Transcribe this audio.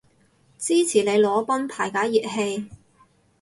支持你裸奔排解熱氣